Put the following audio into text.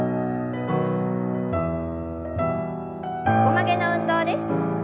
横曲げの運動です。